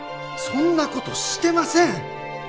そんな事してません！